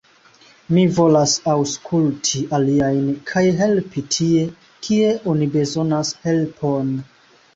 Mi volas aŭskulti aliajn, kaj helpi tie, kie oni bezonas helpon.